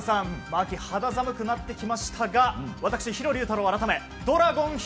秋、肌寒くなってきましたが私、弘竜太郎改めドラゴン弘